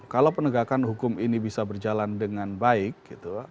kalau penegakan hukum ini bisa berjalan dengan baik